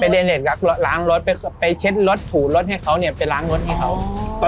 ล้างรถไปเช็ดรถถูรถให้เขาเนี่ยไปล้างรถให้เขา